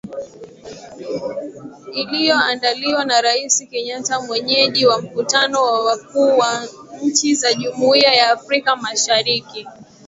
Iliyoandaliwa na Rais Kenyatta mwenyeji wa mkutano wa wakuu wa nchi za Jumuiya ya Afrika mashariki.